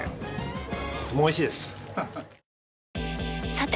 さて！